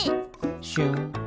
しゅん。